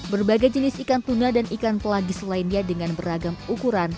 berbagai jenis ikan tuna dan ikan pelagis lainnya dengan beragam ukuran